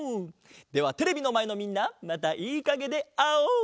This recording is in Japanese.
ではテレビのまえのみんなまたいいかげであおう！